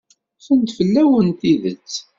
Ffrent fell-awen tidet.